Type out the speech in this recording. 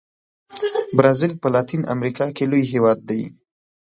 برازیل په لاتین امریکا کې لوی هېواد دی.